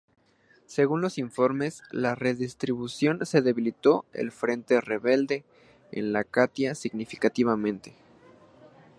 Según los informes, la redistribución se debilitó el frente rebelde en Latakia significativamente.